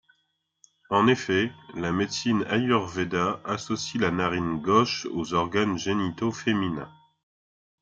En effet, la médecine Ayurveda associe la narine gauche aux organes génitaux féminins.